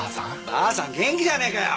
ばあさん元気じゃねえかよ！